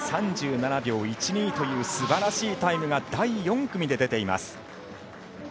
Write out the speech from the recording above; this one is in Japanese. ３７秒１２というすばらしいタイムが第４組で出ています。